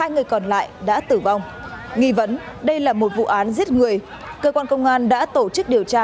hai người còn lại đã tử vong nghi vấn đây là một vụ án giết người cơ quan công an đã tổ chức điều tra